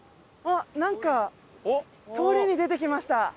あっなんか通りに出てきました。